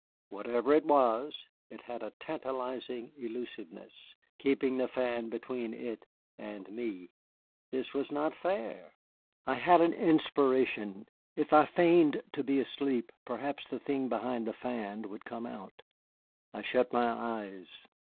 Whatever it was, it had a tantalizing elusiveness, keeping the fan between it and me. This was not fair. I had an inspiration. If I feigned to be asleep, perhaps the thing behind the fan would come out. I shut my eyes.